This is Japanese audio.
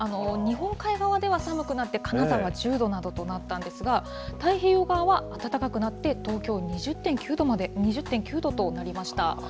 日本海側では寒くなって、金沢１０度などとなったんですが、太平洋側は暖かくなって、東京２０．９度となりました。